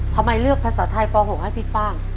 ทำไมเลือกภาษาไทยป๖ให้พี่ฟ่าง